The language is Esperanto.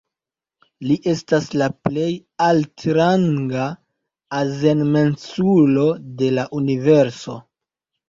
Li estas la plej altranga azenmensulo de la universo.